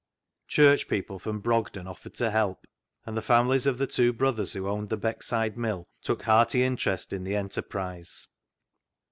Church people from Brogden offered to help, and the families of the two brothers who owned the Beckside Mill took hearty interest in the enterprise.